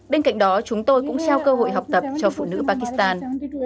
bên cạnh đó chúng tôi cũng trao cơ hội học tập cho phụ nữ pakistan